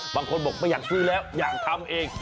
บางคนบอกไม่อยากซื้อแล้วอยากทำเอง